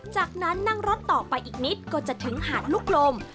จากนั้นนั่งรถต่อไปอีกนิดก็จะถึงหาดลูกกลม